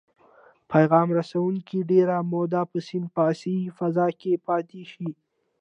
پیغام رسوونکي ډیره موده په سیناپسي فضا کې پاتې شي.